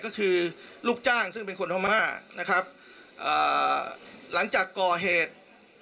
ก็คือลูกจ้างซึ่งเป็นคนพม่านะครับอ่าหลังจากก่อเหตุ